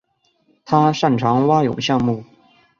他擅长蛙泳项目。